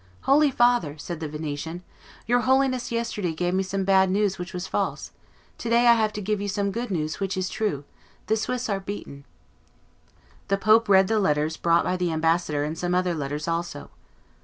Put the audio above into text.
"Holy father," said the Venetian, "your Holiness yesterday gave me some bad news which was false; to day I have to give you some good news which is true: the Swiss are beaten." The pope read the letters brought by the ambassador, and some other letters also.